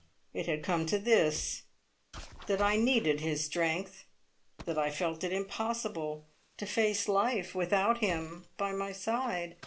It had come to this, that I needed his strength, that I felt it impossible to face life without him by my side.